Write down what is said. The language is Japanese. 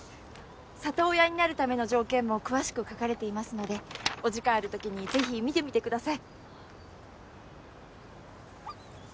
里親になるための条件も詳しく書かれていますのでお時間あるときにぜひ見てみてください。